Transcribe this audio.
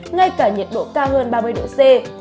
ngay cả nhiệt độ cao hơn ba mươi độ c